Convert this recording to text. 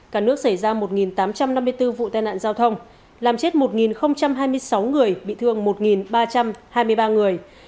cả nước xảy ra một tám trăm năm mươi bốn vụ tai nạn giao thông làm chết một hai mươi sáu người bị thương một ba trăm hai mươi ba người